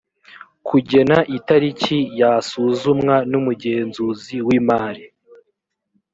kugena itariki yasuzumwa n’umugenzuzi w’imari